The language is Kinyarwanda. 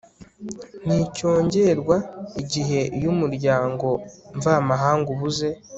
nticyongererwa igihe iyo umuryango mvamahanga ubuze